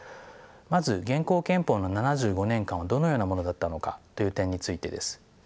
まず現行憲法の７５年間はどのようなものだったのかという点についてです。